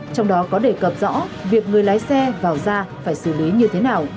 trong đó có đề cập rõ việc người lái xe vào ra phải xử lý như thế nào